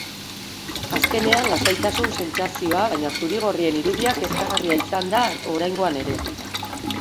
Azkenean, lasaitasun sentsazioa, baina zuri-gorrien irudia kezkagarria izan da oraingoan ere.